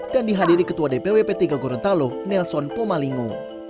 dan dihadiri ketua dpw p tiga gorontalo nelson pomalingo